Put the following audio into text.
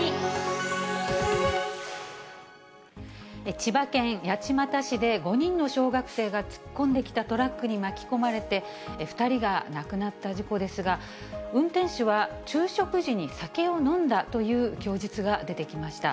千葉県八街市で、５人の小学生が突っ込んできたトラックに巻き込まれて、２人が亡くなった事故ですが、運転手は昼食時に酒を飲んだという供述が出てきました。